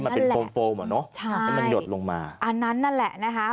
อันนั้นแหละ